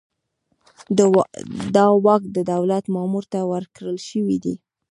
دا واک د دولت مامور ته ورکړل شوی دی.